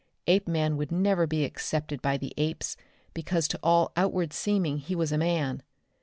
Apeman would never be accepted by the apes because to all outward seeming he was a man.